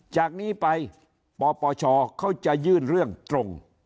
จากนี้ไปปปชเขาจะยื่นเรื่องตรง